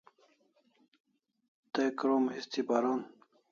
Te krom histi paron